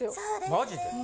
マジで。